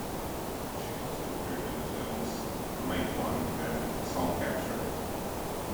She also appeared in the films "Matewan" and "Songcatcher".